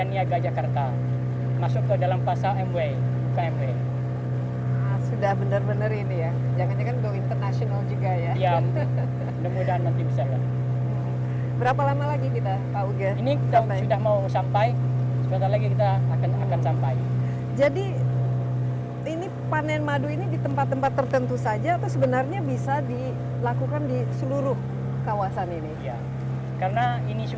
itu salah satu madu